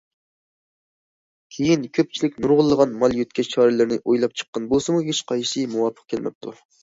كېيىن كۆپچىلىك نۇرغۇنلىغان مال يۆتكەش چارىلىرىنى ئويلاپ چىققان بولسىمۇ، ھېچقايسىسى مۇۋاپىق كەلمەپتۇ.